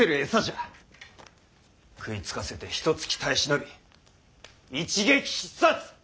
食いつかせてひとつき耐え忍び一撃必殺！